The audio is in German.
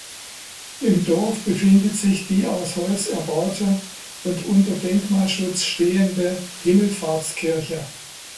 Im Dorf befindet sich die aus Holz erbaute und unter Denkmalschutz stehende Himmelfahrtskirche.